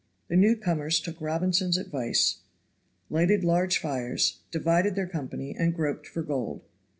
The newcomers took Robinson's advice, lighted large fires, divided their company, and groped for gold.